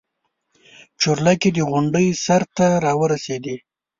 چورلکې د غونډۍ سر ته راورسېدې.